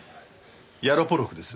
ヤロポロクです。